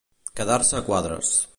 Quedar-se a quadres.